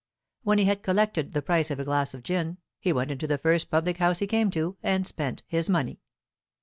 When he had collected the price of a glass of gin, he went into the first public house he came to, and spent his money.